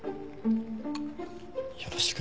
よろしく。